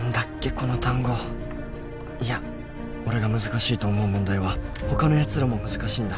この単語いや俺が難しいと思う問題は他のやつらも難しいんだ